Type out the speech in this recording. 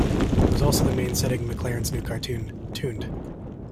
It is also the main setting of McLaren's new cartoon, "Tooned".